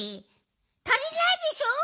たりないでしょ？